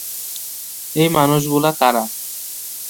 এই মানুষগুলো কারা?